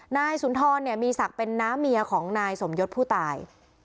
นายสุนทรมีศักดิ์เป็นน้าเมียของนายสมยศผู้ตาย